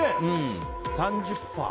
３０％。